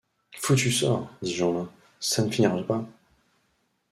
Foutu sort! dit Jeanlin, ça ne finira pas...